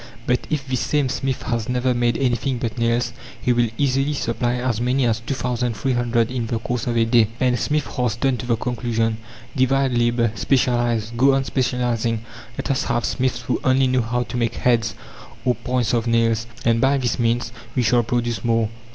But if this same smith has never made anything but nails, he will easily supply as many as two thousand three hundred in the course of a day. And Smith hastened to the conclusion "Divide labour, specialize, go on specializing; let us have smiths who only know how to make heads or points of nails, and by this means we shall produce more.